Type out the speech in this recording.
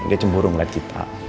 dia cemburu ngeliat kita